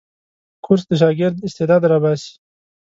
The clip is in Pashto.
کورس د شاګرد استعداد راباسي.